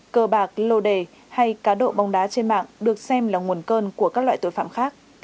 cờ bạc lô đề hay cá độ bóng đá trên mạng được xem là nguồn cơn của các loại tội phạm khác